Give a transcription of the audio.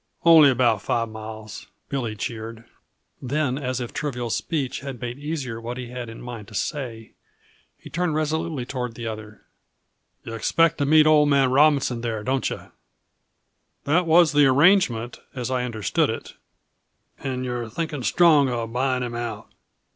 "Only about five miles," Billy cheered. Then, as if trivial speech had made easier what he had in mind to say, he turned resolutely toward the other. "Yuh expect to meet old man Robinson there, don't yuh?" "That was the arrangement, as I understood it" "And you're thinking strong of buying him out?"